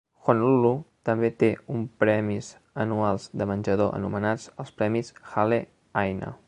"Honolulu" també té un premis anuals de menjador anomenats els premis Hale Aina.